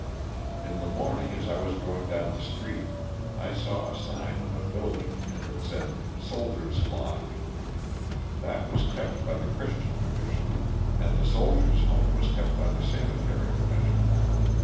In the morning as I was going down the street I saw a sign on a building and it said " Soldier's Lodge." That was kept by the Christian Commission and the '* Sol dier's Home " was kept by the Sanitary Commission.